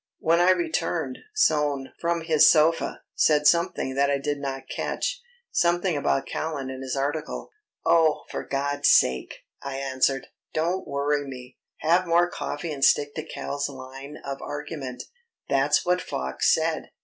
When I returned, Soane, from his sofa, said something that I did not catch something about Callan and his article. "Oh, for God's sake," I answered, "don't worry me. Have some more coffee and stick to Cal's line of argument. That's what Fox said.